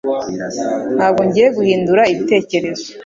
Ntabwo ngiye guhindura ibitekerezo